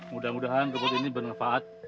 mudah mudahan rumput ini bermanfaat